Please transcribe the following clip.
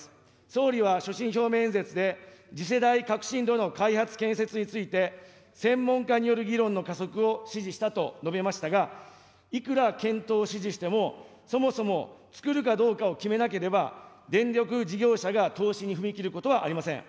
総理は所信表明演説で、次世代革新炉の開発建設について、専門家による議論の加速を指示したと述べましたが、いくら検討を指示しても、そもそもつくるかどうかを決めなければ、電力事業者が投資に踏み切ることはありません。